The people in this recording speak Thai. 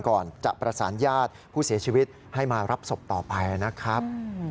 ก่อนจะประสานญาติผู้เสียชีวิตให้มารับศพต่อไปนะครับ